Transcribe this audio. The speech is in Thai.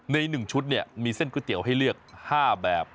ใน๑ชุดมีเส้นก๋วยเตี๋ยวให้เลือก๕แบบ